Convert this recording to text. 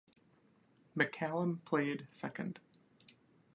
McCallum played second.